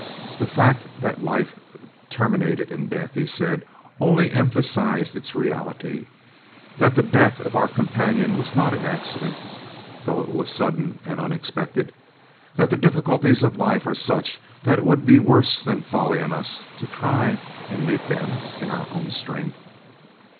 The fact that life terminated in death, he said, only emphasized its reality; that the death of our companion was not an accident, though it was sudden and unexpected; that the difficulties of life are such that it would be worse than folly in us to try to meet them in our own strength.